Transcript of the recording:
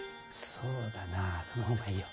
そうだなその方がいいよ。